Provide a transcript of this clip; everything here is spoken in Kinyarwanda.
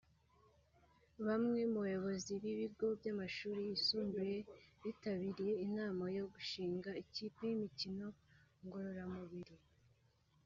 Bamwe mu bayobozi b’ibigo by’amashuri yisumbuye bitabiriye inama yo gushinga ikipe y’imikino ngororamubiri